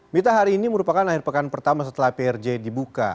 mita hari ini merupakan akhir pekan pertama setelah prj dibuka